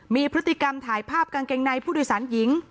มีพฤติกรรมถ่ายภาพกางเกงในผู้โดยสารหญิง